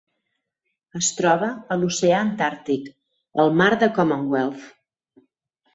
Es troba a l'oceà Antàrtic: el mar de Commonwealth.